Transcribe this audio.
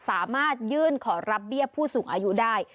สามารถยื่นขอรับเบี้ยผู้สูงอายุได้